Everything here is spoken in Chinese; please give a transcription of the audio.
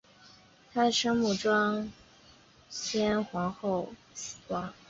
她的生母庄宪皇后王氏。